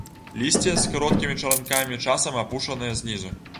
Лісце з кароткімі чаранкамі, часам апушанае знізу.